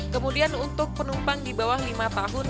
kemudian untuk penumpang di bawah lima tahun